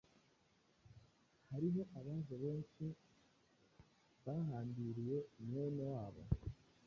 Hariho abaje benshi bahambiriye mwene wabo